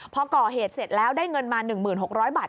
พอก่อเหตุเสร็จแล้วได้เงินมา๑๖๐๐บาท